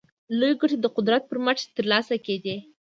لویې ګټې د قدرت پر مټ ترلاسه کېدې.